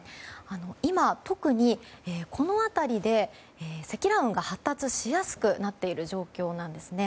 今、特にこの辺りで積乱雲が発達しやすくなっている状況なんですね。